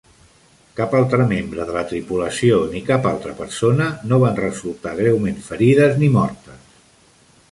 Cap altre membre de la tripulació ni cap altra persona no van resultar greument ferides ni mortes.